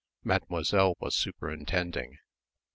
Mademoiselle was superintending.